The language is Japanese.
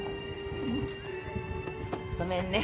ごめんね。